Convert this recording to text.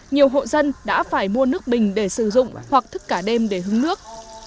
nhiều hộ dân đã phải mua nước bình để sử dụng hoặc thức cả đêm để hứng nước